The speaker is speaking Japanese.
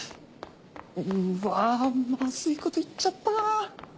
うわまずいこと言っちゃったな！